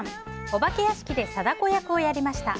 お化け屋敷で貞子役をやりました。